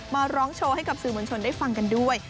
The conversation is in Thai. มาร้องโชว์ให้กับสื่อมวลชนได้ฟังกันด้วย